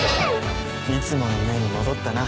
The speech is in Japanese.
いつものメイに戻ったな。